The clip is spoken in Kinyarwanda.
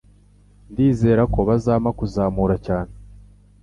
Ndizera ko bazampa kuzamura cyane.